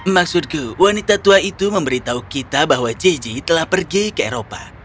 maksudku wanita tua itu memberitahu kita bahwa ciji telah pergi ke eropa